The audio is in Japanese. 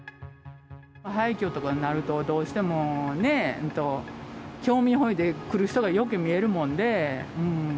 廃虚とかなると、どうしてもね、興味本位で来る人がようけみえるもんで。